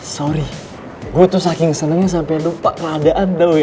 sorry gue tuh saking senengnya sampe lupa keadaan tau ya